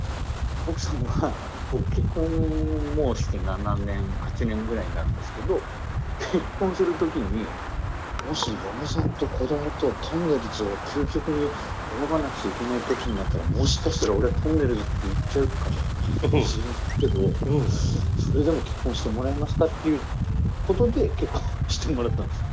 奥さんは僕結婚もうして７年８年ぐらいになるんですけど結婚する時に「もし嫁さんと子どもととんねるずを究極に選ばなくちゃいけない時になったらもしかしたら俺はとんねるずって言っちゃうかもしれないけどそれでも結婚してもらえますか？」っていうことで結婚してもらったんです。